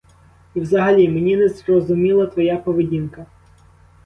І взагалі мені незрозуміла твоя поведінка.